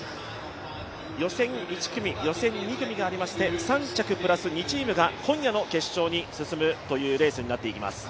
予選１組、予選２組がありまして、３着プラス２チームが今夜の決勝に進むというレースになっていきます。